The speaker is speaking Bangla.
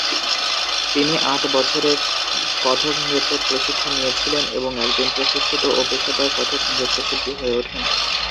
তিনি আট বছরের কথক নৃত্যের প্রশিক্ষণ নিয়েছিলেন এবং একজন প্রশিক্ষিত ও পেশাদার কথক নৃত্যশিল্পী হয়ে ওঠেন।